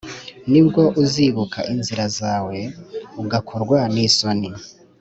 Ni bwo uzibuka inzira zawe ugakorwa n’isoni